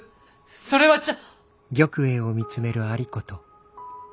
それはちゃ。